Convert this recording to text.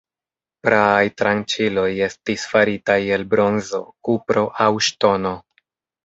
Praaj tranĉiloj estis faritaj el bronzo, kupro aŭ ŝtono.